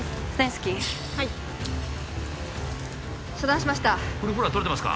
スキーはい遮断しましたフルフローは取れてますか？